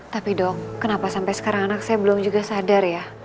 tapi dok kenapa sampai sekarang anak saya belum juga sadar ya